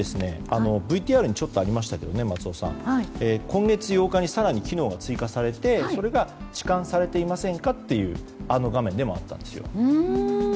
ＶＴＲでもありましたが今月８日に更に機能が追加されてそれが「ちかんされていませんか？」という画面でもあったんです。